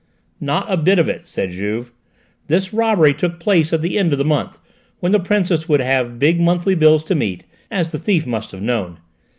"Not a bit of it!" said Juve. "This robbery took place at the end of the month, when the Princess would have big monthly bills to meet, as the thief must have known.